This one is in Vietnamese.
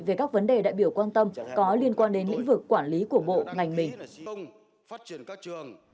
về các vấn đề đại biểu quan tâm có liên quan đến lĩnh vực quản lý của bộ ngành mình